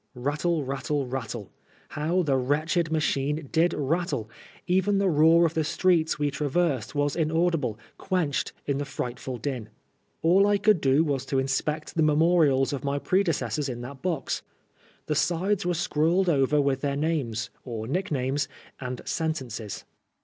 Rattle, rattle, rattle I How the wretched machine did rattle I Even the roar of the streets we traversed was inaudible, quenched in the frightful din. All I could do was to inspect the memorials of my prede cessors in that box. The sides were scrawled over with their names (or nicknames) and sentences.